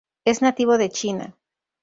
Es nativo de China.